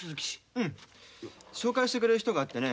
うん。紹介してくれる人があってね